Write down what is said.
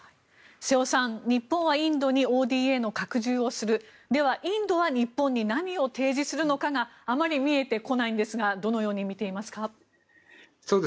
瀬尾さん、日本はインドにＯＤＡの拡充をするではインドは日本に何を提示するのかがあまり見えてこないんですがどのように見ていますか？